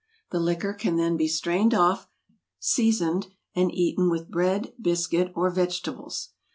The liquor can then be strained off, seasoned, and eaten with bread, biscuit, or vegetables.